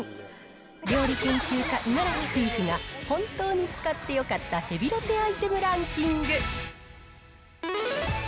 料理研究家、五十嵐夫婦が本当に使ってよかったヘビロテアイテムランキング。